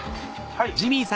はい。